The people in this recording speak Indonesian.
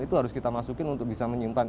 itu harus kita masukin untuk bisa menyimpan